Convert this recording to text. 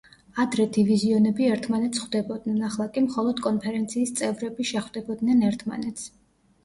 ადრე დივიზიონები ერთმანეთს ხვდებოდნენ, ახლა კი მხოლოდ კონფერენციის წევრები შეხვდებოდნენ ერთმანეთს.